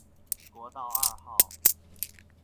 國道二號